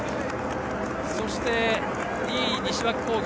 そして２位、西脇工業。